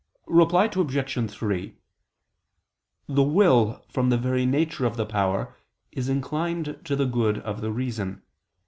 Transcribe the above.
Reply Obj. 3: The will from the very nature of the power is inclined to the good of the reason.